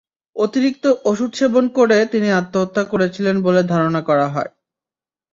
অতিরিক্ত ওষুধ সেবন করে তিনি আত্মহত্যা করেছিলেন বলে ধারণা করা হয়।